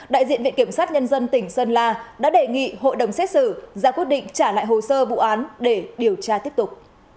đại diện viện kiểm sát nhân dân tỉnh sơn la đã đề nghị hội đồng xét xử ra quyết định trả lại hồ sơ vụ án để điều tra tiếp tục